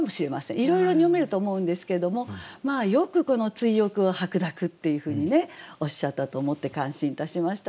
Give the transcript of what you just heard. いろいろに読めると思うんですけれどもまあよくこの追憶を白濁っていうふうにねおっしゃったと思って感心いたしました。